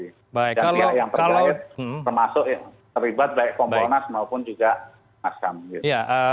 dan pihak yang percaya termasuk yang terlibat baik komponas maupun juga maskam